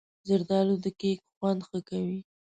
زردالو د کیک خوند ښه کوي.